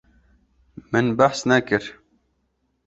Min behs nekir.